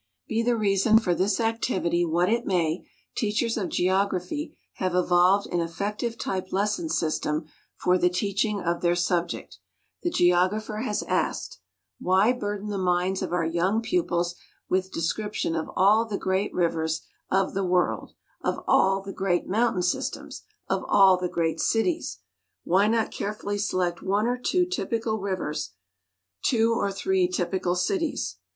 Be the reason for this activity what it may, teachers of geography have evolved an effective type lesson system for the teaching of their subject. The geographer has asked, "Why burden the minds of our young pupils with description of ALL the great rivers of the world, of ALL the great mountain systems, of ALL the great cities? Why not carefully select one or two typical rivers, two or three typical cities?